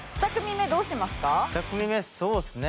２組目そうですね